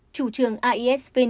chủ trường iesvn